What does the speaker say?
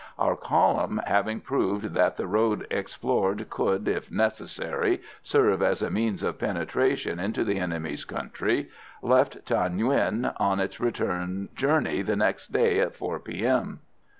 Our column, having proved that the road explored could, if necessary, serve as a means of penetration into the enemy's country, left Thaï Nguyen on its return journey the next day at 4 P.M.